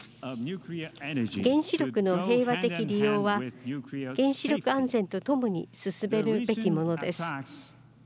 原子力の平和的利用は原子力安全とともに進めるべきものです。